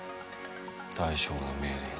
大将の命令に。